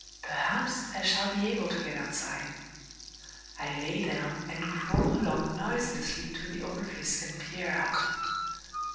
Perhaps I shall be able to get outside. I lay down, and crawl along noiselessly to the orifice and peer out.